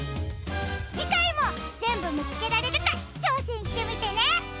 じかいもぜんぶみつけられるかちょうせんしてみてね！